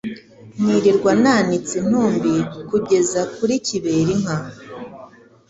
Nirirwa nanitse intumbi kugeza kuri Kiberinka,